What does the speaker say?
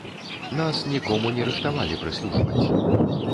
Нас нікому не рыхтавалі прыслужваць.